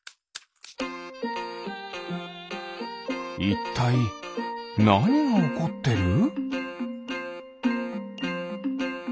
いったいなにがおこってる？